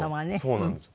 そうなんです。